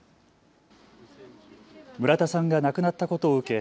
村田さんが亡くなったことを受け